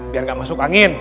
biar ga masuk angin